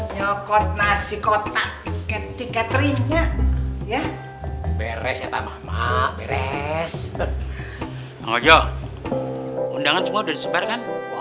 nyokot nasi kotak tiket tiket rinya ya beres ya tamah mamak beres